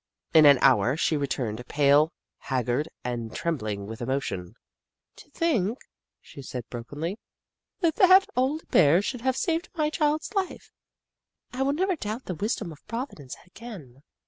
In an hour she returned, pale, haggard, and trem bling with emotion. " To think," she said, brokenly, " that that old Bear should have saved my child's life ! I will never doubt the wisdom of Providence again.